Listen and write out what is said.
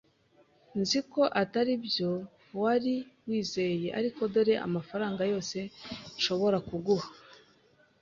Nzi ko atari byo wari wizeye, ariko dore amafaranga yose nshobora kuguha.